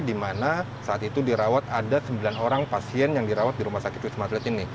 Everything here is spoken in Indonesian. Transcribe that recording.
di mana saat itu dirawat ada sembilan orang pasien yang dirawat di rumah sakit wisma atlet ini